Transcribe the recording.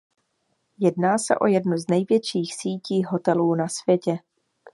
Jedná se o jednu z největších sítí hotelů na světě.